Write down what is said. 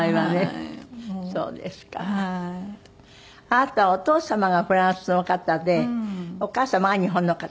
あなたはお父様がフランスの方でお母様が日本の方？